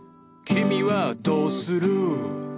「君はどうする？」